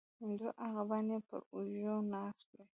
دوه عقابان یې پر اوږو ناست دي